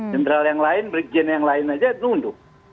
jenderal yang lain berikjian yang lain saja tunduk